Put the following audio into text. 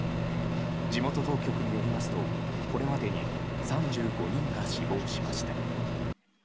地元当局によりますとこれまでに３５人が死亡しました。